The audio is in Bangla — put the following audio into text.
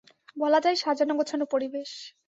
বলা যায় সাজানো গোছানো পরিবেশ।